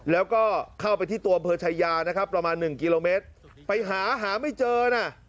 แล้วก็เข้าไปที่ตัวอำเภอชายานะครับประมาณหนึ่งกิโลเมตรไปหาหาไม่เจอน่ะ